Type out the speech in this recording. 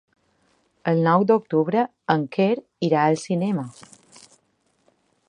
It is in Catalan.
El nou d'octubre en Quer irà al cinema.